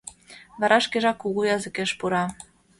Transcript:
Вара шкежак кугу языкеш пура.